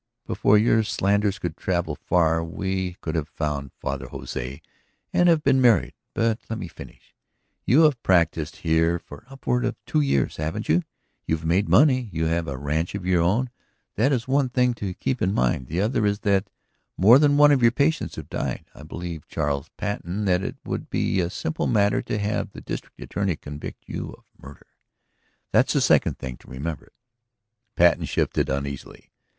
Before your slanders could travel far we could have found Father Jose and have been married. But let me finish. You have practised here for upward of two years, haven't you? You have made money, you have a ranch of your own. That is one thing to keep in mind. The other is that more than one of your patients have died. I believe, Charles Patten, that it would be a simple matter to have the district attorney convict you of murder. That's the second thing to remember." Patten shifted uneasily.